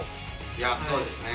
いやそうですね。